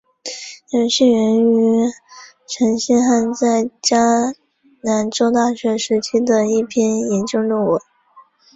游戏源于陈星汉在南加州大学时期的一篇研究论文。